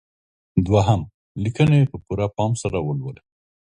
دوهم: لیکنې په پوره پام سره ولولئ.